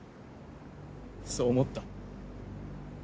そう思った。